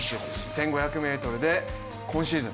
１５００ｍで今シーズン